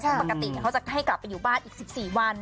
ซึ่งปกติเขาจะให้กลับไปอยู่บ้านอีก๑๔วัน